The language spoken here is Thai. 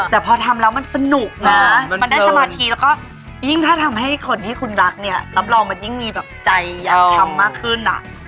แต่พอทำแล้วมันสนุกนะมันได้สมาธิแล้วก็ยิ่งถ้าทำให้คนที่คุณรักเนี่ยรับรองมันยิ่งมีแบบใจอยากทำมากขึ้นอ่ะ